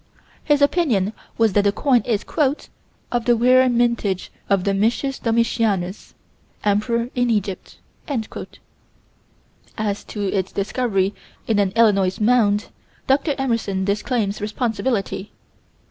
His opinion was that the coin is "of the rare mintage of Domitius Domitianus, Emperor in Egypt." As to its discovery in an Illinois mound, Dr. Emerson disclaims responsibility.